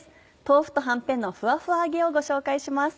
「豆腐とはんぺんのふわふわ揚げ」をご紹介します。